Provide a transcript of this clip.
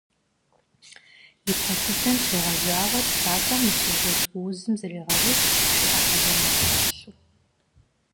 И пэ дыдэм щегъэжьауэ тхакӀуэм мы сюжет гуузым зрегъэужь гушыӀэ хьэлэмэт щӀэлъу.